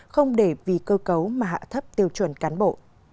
không để vì cơ cấu mà hạ thấp tiêu chuẩn cán bộ